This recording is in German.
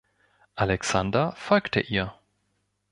Alexander folgte ihr.